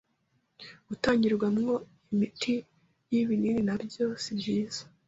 gutangirwamo imiti y’ibinini nabyo sibyiza